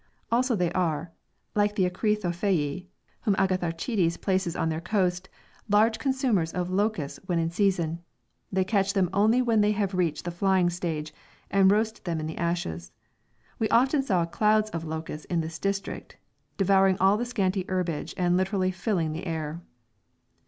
Also they are, like the akridophagoi whom Agatharchides places on their coast, large consumers of locusts when in season; they catch them only when they have reached the flying stage, and roast them in the ashes. We often saw clouds of locusts in this district, devouring all the scanty herbage and literally filling the air.